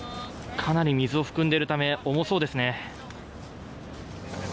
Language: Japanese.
かなり水を含んでいるため重そうですね。